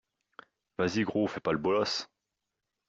Vas-y gros, fais pas le boloss.